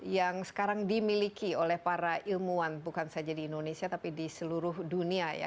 yang sekarang dimiliki oleh para ilmuwan bukan saja di indonesia tapi di seluruh dunia ya